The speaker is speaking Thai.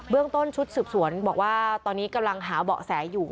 เรื่องต้นชุดสืบสวนบอกว่าตอนนี้กำลังหาเบาะแสอยู่